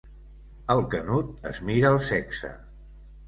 El Canut es mira el sexe.